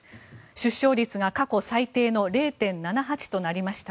出生率が過去最低の０．７８となりました。